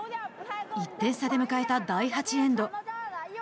１点差で迎えた第８エンド。